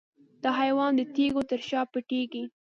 دا حیوان د تیږو تر شا پټیږي.